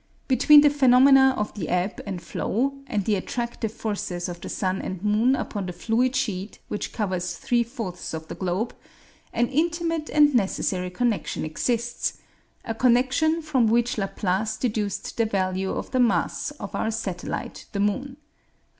Between the phenomena of the ebb and flow, and the attractive forces of the sun and moon upon the fluid sheet which covers three fourths of the globe, an intimate and necessary connection exists; a connection from which Laplace deduced the value of the mass of our satellite the moon.